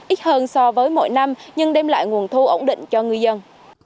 ít hơn so với mọi năm nhưng đem lại nguồn thu ổn định cho ngư dân